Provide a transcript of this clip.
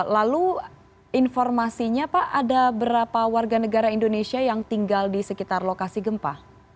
lalu informasinya pak ada berapa warga negara indonesia yang tinggal di sekitar lokasi gempa